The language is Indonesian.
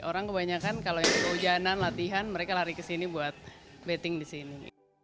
orang kebanyakan kalau yang kehujanan latihan mereka lari ke sini buat betting di sini